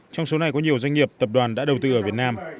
trong số này có nhiều doanh nghiệp tập đoàn đã đầu tư ở việt nam